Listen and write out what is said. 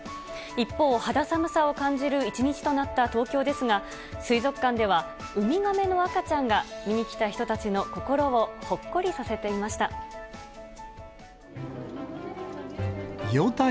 一方、肌寒さを感じる一日となった東京ですが、水族館ではウミガメの赤ちゃんが見に来た人たちの心をほっこりさせていました。